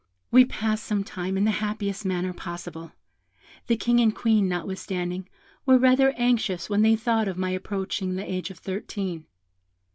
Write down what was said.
"We passed some time in the happiest manner possible. The King and Queen, notwithstanding, were rather anxious when they thought of my approaching the age of thirteen.